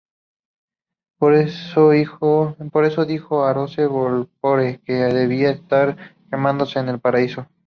Por eso dijo Horace Walpole que debía "estar quemándose en el Paraíso".